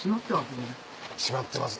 閉まってます